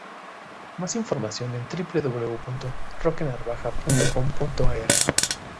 Más información en www.roquenarvaja.com.ar